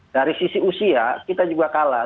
dari sisi usia kita juga kalah